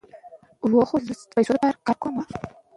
د ایران ډېری خلک په پیل کې سني مذهبه ول.